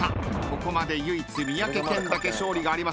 ここまで唯一三宅健だけ勝利がありません。